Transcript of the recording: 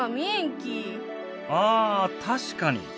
ああ確かに。